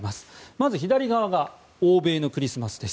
まず、左側が欧米のクリスマスです。